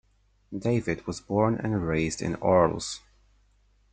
David was born and raised in Arles.